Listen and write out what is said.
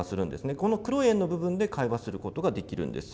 この黒い円の部分で会話することができるんです。